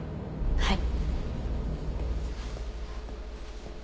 はい。